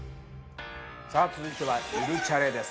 さあ続いては「ゆるチャレ」です。